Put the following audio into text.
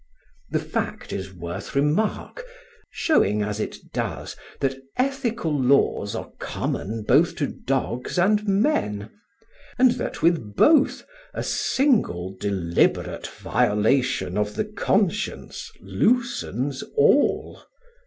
The fact is worth remark, showing as it does, that ethical laws are common both to dogs and men; and that with both a single deliberate violation of the conscience loosens all.